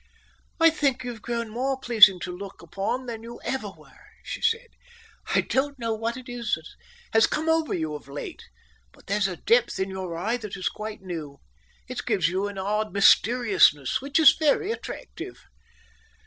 "I think you've grown more pleasing to look upon than you ever were," she said. "I don't know what it is that has come over you of late, but there's a depth in your eyes that is quite new. It gives you an odd mysteriousness which is very attractive."